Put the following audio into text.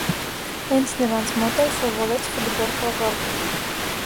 Հենց նրանց մոտ էլ սովորեց ֆուտբոլ խաղալ։